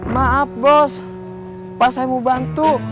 maaf bos pas saya mau bantu